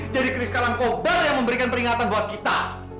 jadi kris kalangkobar yang memberikan peringatan buat kita